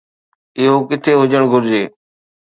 اهو ڪٿي هجڻ گهرجي؟